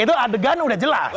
itu adegan udah jelas